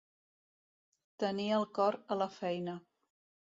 Tenir el cor a la feina.